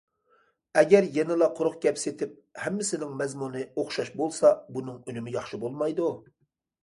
ئەگەر يەنىلا قۇرۇق گەپ سېتىپ، ھەممىسىنىڭ مەزمۇنى ئوخشاش بولسا، بۇنىڭ ئۈنۈمى ياخشى بولمايدۇ.